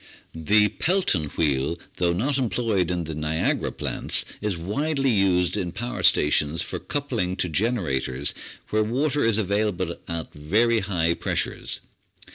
The Pelton Wheel, though not employed in the Niagara plants, is widely used in power stations for coupling to generators where water is available at very high pressures.